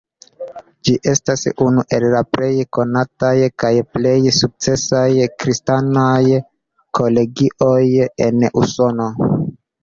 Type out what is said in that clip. Ĝi estas unu el la plej konataj kaj plej sukcesaj kristanaj kolegioj en Usono.